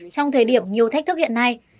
trong thời điểm nhiều thách thức hiện nay